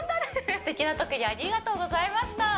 素敵な特技ありがとうございました